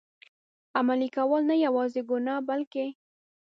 عملي کول، نه یوازي ګناه بلکه.